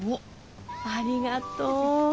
ありがとう。